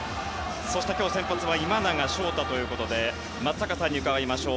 そして今日先発は今永昇太ということで松坂さんに伺いましょう。